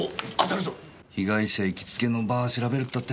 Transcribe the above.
被害者行きつけのバー調べるったって。